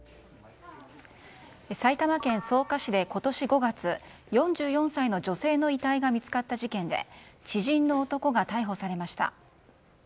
埼玉県草加市で今年５月４４歳の女性の遺体が見つかった事件で知人の男が逮捕されました。